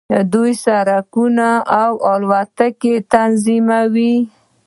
دوی سړکونه او الوتنې تنظیموي.